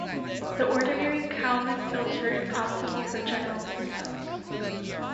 The ordinary Kalman filter is optimal for general systems.